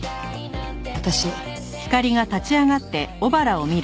私。